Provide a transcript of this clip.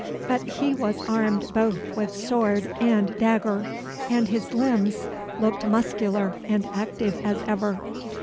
But he was armed both with sword and dagger; and his limbs looked muscular and active as ever.